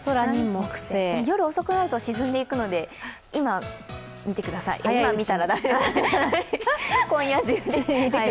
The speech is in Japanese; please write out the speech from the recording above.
夜遅くなると沈んでいくので、今見てください、今夜中に。